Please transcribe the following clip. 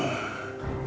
hanya itu pak